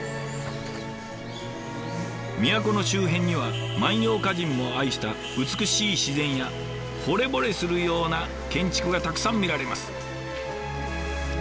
都の周辺には万葉歌人も愛した美しい自然やほれぼれするような建築がたくさん見られます。